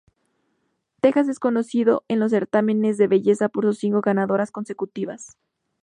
Texas es conocido en los certámenes de belleza por sus cinco ganadoras consecutivas.